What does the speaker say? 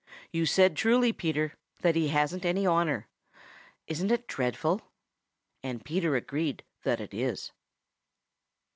You said truly, Peter, that he hasn't any honor. Isn't it dreadful?" And Peter agreed that it is.